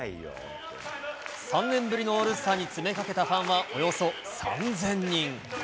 ３年ぶりのオールスターに詰めかけたファンはおよそ３０００人。